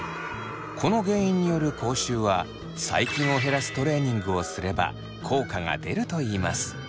この原因による口臭は細菌を減らすトレーニングをすれば効果が出るといいます。